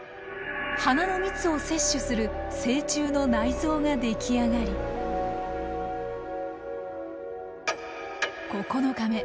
花の蜜を摂取する成虫の内臓ができあがり９日目。